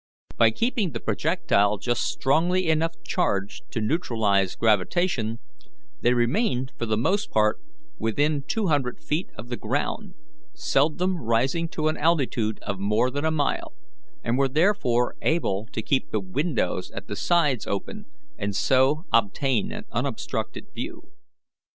By keeping the projectile just strongly enough charged to neutralize gravitation, they remained for the most part within two hundred feet of the ground, seldom rising to an altitude of more than a mile, and were therefore able to keep the windows at the sides open and so obtain an unobstructed view.